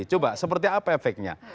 coba seperti apa efeknya